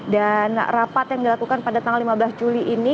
dan rapat yang dilakukan pada tanggal lima belas juli ini